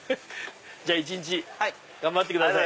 じゃあ一日頑張ってください。